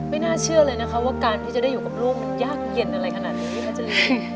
ไม่น่าเชื่อเลยนะคะว่าการที่จะอยู่กับลูกมันยากเย็นอะไรขนาดนี้